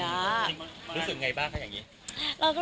รู้สึกไงบ้างคะอย่างนี้